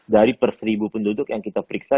dari per seribu penduduk yang kita periksa